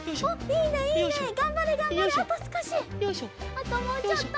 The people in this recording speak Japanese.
あともうちょっと！